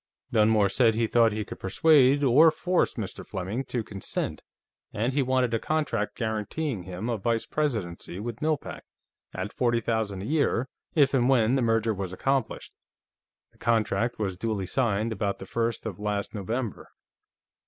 Dunmore said he thought he could persuade or force Mr. Fleming to consent, and he wanted a contract guaranteeing him a vice presidency with Mill Pack, at forty thousand a year, if and when the merger was accomplished. The contract was duly signed about the first of last November."